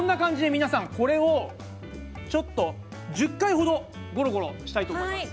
皆さんこれをちょっと１０回ほどゴロゴロしたいと思います。